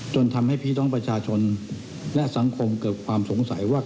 ทำให้พี่น้องประชาชนและสังคมเกิดความสงสัยว่า